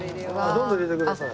どんどん入れてください。